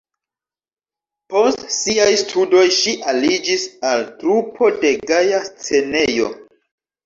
Post siaj studoj ŝi aliĝis al trupo de "Gaja Scenejo".